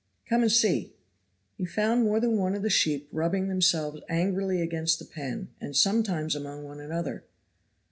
"Come and see." He found more than one of the new sheep rubbing themselves angrily against the pen, and sometimes among one another.